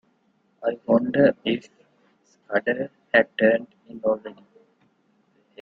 I wondered if Scudder had turned in already.